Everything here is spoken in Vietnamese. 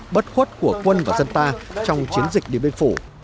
bất khuất của quân và dân ta trong chiến dịch điện biên phủ